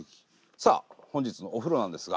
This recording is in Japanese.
さあ本日のお風呂なんですが。